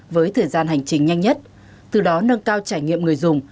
với thời gian hành trình nhanh nhất từ đó nâng cao trải nghiệm người dùng